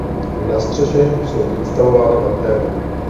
Na střeše jsou instalovány antény.